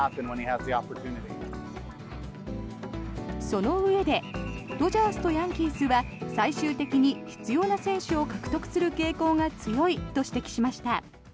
そのうえでドジャースとヤンキースは最終的に必要な選手を獲得する傾向が強いと指摘しました。